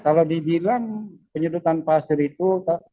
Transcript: kalau dibilang penyedotan pasir itu